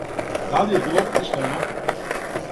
Да ли је било поштено?